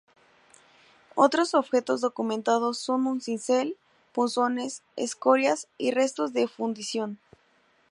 Otros objetos documentados son un cincel, punzones, escorias y restos de fundición.